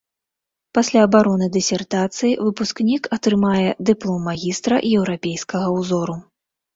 Пасля абароны дысертацыі выпускнік атрымае дыплом магістра еўрапейскага ўзору.